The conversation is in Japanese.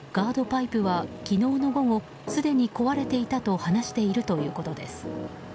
パイプは昨日の午後、すでに壊れていたと話しているということです。